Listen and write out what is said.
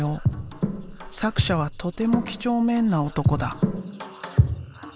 作者はとても几帳面な男だ。